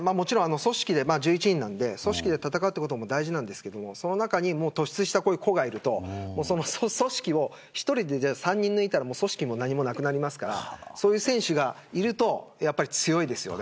１１人なので組織で戦うことも重要ですがその中に突出した個がいると１人で３人も抜いたら組織も何もなくなりますからそういう選手がいると強いですね。